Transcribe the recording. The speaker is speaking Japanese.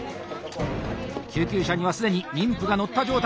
救急車には既に妊婦が乗った状態。